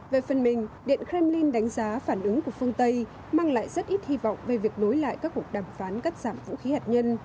về phần mình điện kremlin đánh giá phản ứng của phương tây mang lại rất ít hy vọng về việc nối lại các cuộc đàm phán cắt giảm vũ khí hạt nhân